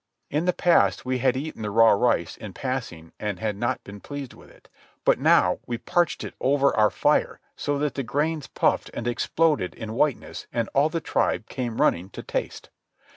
In the past we had eaten the raw rice in passing and not been pleased with it. But now we parched it over our fire so that the grains puffed and exploded in whiteness and all the tribe came running to taste.